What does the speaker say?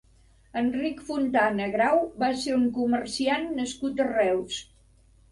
Enric Fontana Grau va ser un comerciant nascut a Reus.